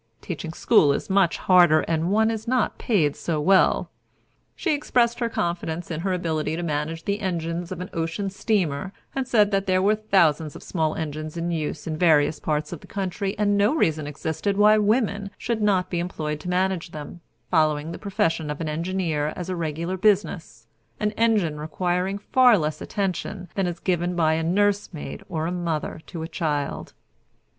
Teaching school is much harder, and one is not paid so well." She expressed her confidence in her ability to manage the engines of an ocean steamer, and said that there were thousands of small engines in use in various parts of the country, and no reason existed why women should not be employed to manage them, following the profession of engineer as a regular business, an engine requiring far less attention than is given by a nursemaid or a mother to a child.